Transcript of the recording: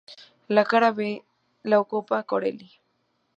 La cara B la ocupa Corelli.